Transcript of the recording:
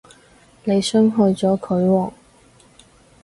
你傷害咗佢喎